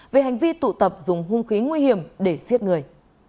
về hành vi tụ tập dùng hung khí nguy hiểm để siết người